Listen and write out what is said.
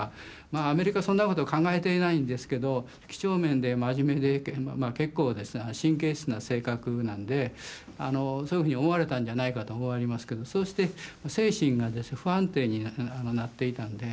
まあアメリカはそんなこと考えていないんですけど几帳面で真面目で結構神経質な性格なんでそういうふうに思われたんじゃないかと思いますけどそうして精神が不安定になっていたんで。